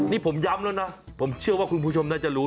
นี่ผมย้ำแล้วนะผมเชื่อว่าคุณผู้ชมน่าจะรู้